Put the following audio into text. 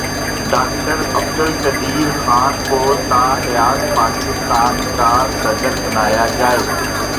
doctor Abdul Qadeer Khan کو تا حیات پاکستان کا صدر بنایا جائے